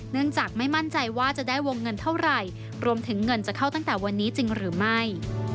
เนื่องจากไม่มั่นใจว่าจะได้วงเงินเท่าไหร่รวมถึงเงินจะเข้าตั้งแต่วันนี้จริงหรือไม่